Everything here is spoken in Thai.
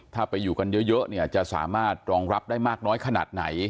ถ้าไปอยู่กันเยอะเนี่ยจะสามารถรองรับได้มากน้อยขนาดไหน